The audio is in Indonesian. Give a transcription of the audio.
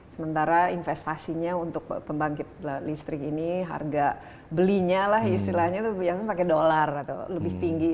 sementara investasinya untuk pembangkit listrik ini harga belinya lah istilahnya itu biasanya pakai dolar atau lebih tinggi